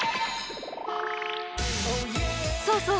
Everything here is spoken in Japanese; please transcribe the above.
そうそう！